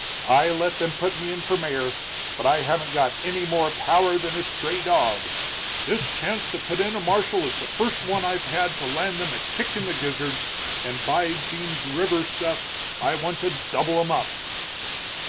I let them put me in for mayor, but I haven't got any more power than a stray dog. This chance to put in a marshal is the first one I've had to land them a kick in the gizzards, and by Jeems River, Seth, I want to double 'em up!"